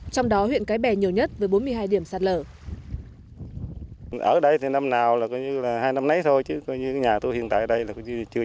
trong đó huyện cái bè nhiều nhất với bốn mươi hai điểm sạt lở